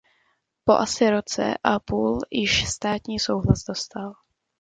Po asi roce a půl již státní souhlas dostal.